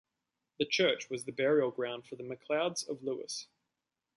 The church was the burial ground of the MacLeods of Lewis.